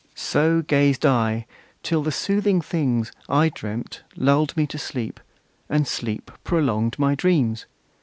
So gazed I, till the soothing things, I dreamt, Lulled me to sleep, and sleep prolonged my dreams!